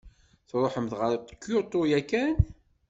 Tṛuḥemt ɣer Kyoto yakan?